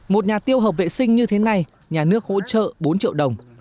một nhà tiêu hợp vệ sinh như thế này nhà nước hỗ trợ bốn triệu đồng